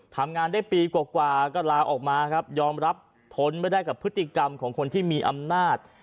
ทำงานได้ปีกว่าก็ลาออกมาครับยอมรับทนไม่ได้กับพฤติกรรมของคนที่มีอำนาจ